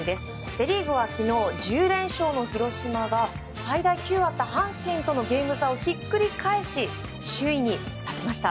セ・リーグは昨日、１０連勝の広島が最大９あった阪神とのゲーム差をひっくり返し首位に立ちました。